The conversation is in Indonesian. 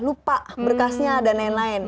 lupa berkasnya dan lain lain